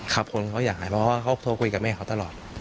คนเขาอยากหายเพราะว่าเขาโทรคุยกับแม่เขาตลอด